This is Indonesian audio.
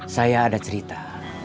saya ada cerita